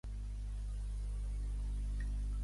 El teatre encara opera, amb el nom de Harry De Jur Playhouse.